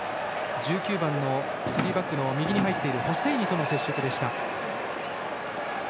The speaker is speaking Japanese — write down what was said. １９番のスリーバックの右に入っているホセイニとの接触でした。